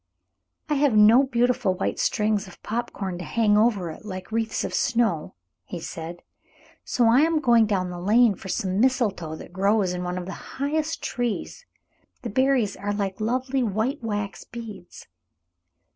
"] "I have no beautiful white strings of pop corn to hang over it like wreaths of snow," he said, "so I am going down the lane for some mistletoe that grows in one of the highest trees. The berries are like lovely white wax beads."